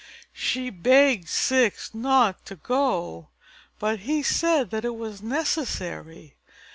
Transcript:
She begged Ceyx not to go, but he said that it was necessary.